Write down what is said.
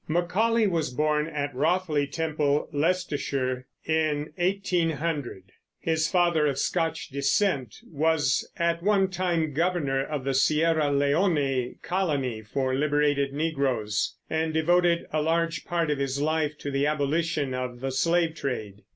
Macaulay was born at Rothley Temple, Leicestershire, in 1800. His father, of Scotch descent, was at one time governor of the Sierra Leone colony for liberated negroes, and devoted a large part of his life to the abolition of the slave trade.